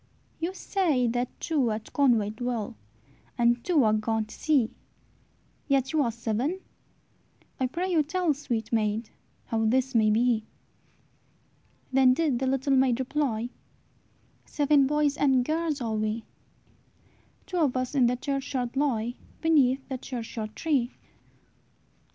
"You say that two at Conway dwell, And two are gone to sea, Yet ye are seven! I pray you tell, Sweet maid, how this may be." Then did the little maid reply, "Seven boys and girls are we; Two of us in the churchyard lie, Beneath the churchyard tree."